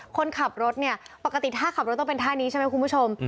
คนขับรถเนี่ยปกติถ้าขับรถต้องเป็นท่านี้ใช่ไหมคุณผู้ชม